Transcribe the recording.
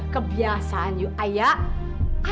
kebiasaan you ayah